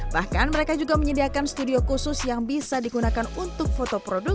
bahkan mereka juga menyediakan studio khusus yang bisa digunakan untuk foto produk